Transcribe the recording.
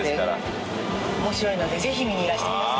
面白いのでぜひ見にいらしてください。